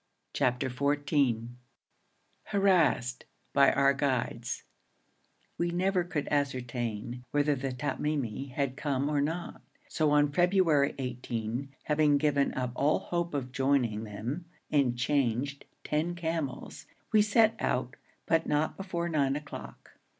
CHAPTER XIV HARASSED BY OUR GUIDES We never could ascertain whether the Tamimi had come or not, so on February 18, having given up all hope of joining them and changed ten camels, we set out, but not before nine o'clock.